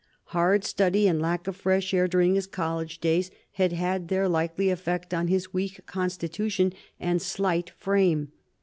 Hard study and lack of fresh air during his college days had had their likely effect on his weak constitution and slight frame.